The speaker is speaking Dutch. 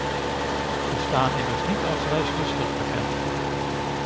Ze staan immers niet als reislustig bekend.